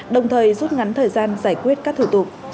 đồng thời rút ngắn thời gian giải quyết các thủ tục